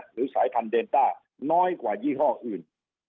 สายพันธุเดนต้าน้อยกว่ายี่ห้ออื่น